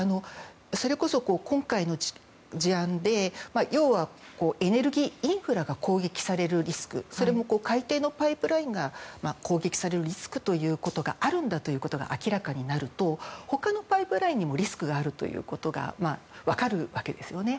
それこそ、今回の事案で要はエネルギーインフラが攻撃されるリスクそれも海底のパイプラインが攻撃されるリスクがあるんだということが明らかになると他のパイプラインにもリスクがあるということが分かるわけですよね。